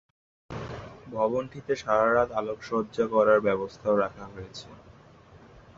ভবনটিতে সারারাত আলোকসজ্জা করার ব্যবস্থাও রাখা হয়েছে।